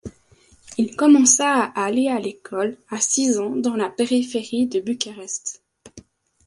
Il commença à aller à l'école à six ans dans la périphérie de Bucarest.